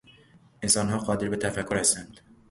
انسانها قادر به تفکر هستند.